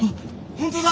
本当だ。